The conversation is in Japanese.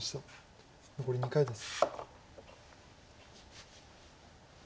残り２回です。